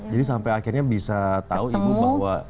jadi sampai akhirnya bisa tahu ibu bahwa